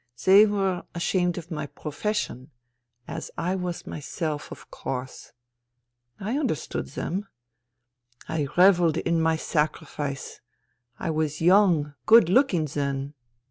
They were ashamed of my profession, as I was myself, of course. I understood them. I revelled in my sacrifice. I was young, good looking then.